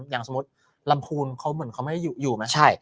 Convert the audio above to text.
อย่างสมมติลำคูลเขาเหมือนเขาไม่ได้อยู่อยู่ไหมใช่